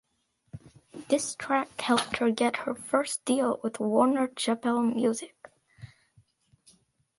This track helped her get her first deal with Warner Chappell Music.